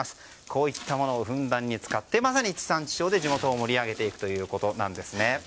こういったものをふんだんに使ってまさに地産地消で地元を盛り上げていくということなんです。